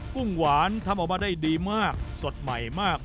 กุ้งหวานทำออกมาได้ดีมากสดใหม่มาก